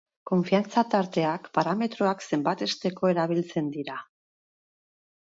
Konfiantza-tarteak parametroak zenbatesteko erabiltzen dira.